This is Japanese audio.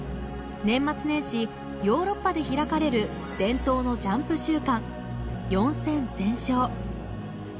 年末年始、ヨーロッパで開かれる伝統のジャンプ週間、４戦全勝。